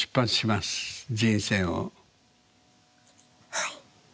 はい。